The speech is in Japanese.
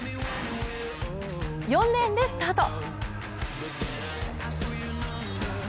４レーンでスタート。